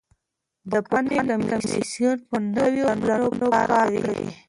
د پوهنې کمیسیون په نویو پلانونو کار کوي.